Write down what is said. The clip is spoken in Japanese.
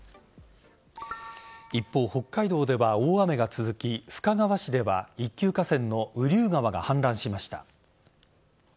一方、北海道では大雨が続き深川市では一級河川の雨竜川がはん濫しました。